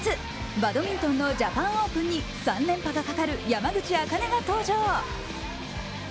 バドミントンのジャパンオープンに３連覇がかかる山口茜が登場。